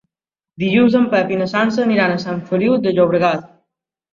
Dilluns en Pep i na Sança aniran a Sant Feliu de Llobregat.